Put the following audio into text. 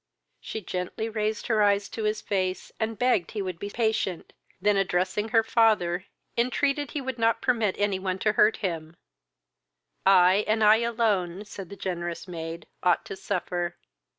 She gently raised her eyes to his face, and begged he would be patient; then, addressing her father, entreated he would not permit any one to hurt him: "I, and I alone, (said the generous maid,) ought to suffer.